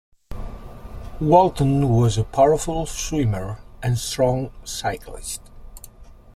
Walton was a powerful swimmer and strong cyclist.